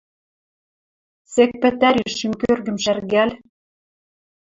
Сек пӹтӓри шӱм кӧргӹм шӓргӓл.